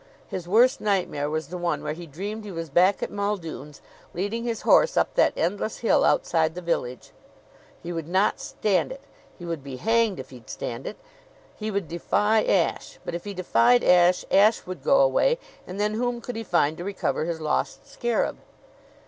His worst nightmare was the one where he dreamed he was back at Muldoon's, leading his horse up that endless hill outside the village. He would not stand it! He would be hanged if he'd stand it! He would defy Ashe. But if he defied Ashe, Ashe would go away; and then whom could he find to recover his lost scarab?